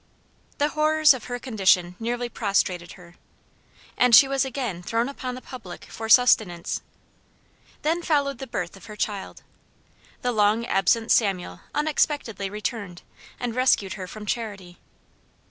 The horrors of her condition nearly prostrated her, and she was again thrown upon the public for sustenance. Then followed the birth of her child. The long absent Samuel unexpectedly returned, and rescued her from charity.